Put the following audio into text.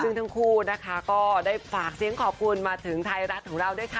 ซึ่งทั้งคู่นะคะก็ได้ฝากเสียงขอบคุณมาถึงไทยรัฐของเราด้วยค่ะ